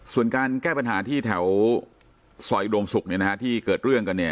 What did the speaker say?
ส่วนการแก้ปัญหาที่แถวซอยดวงศุกร์ที่เกิดเรื่องกัน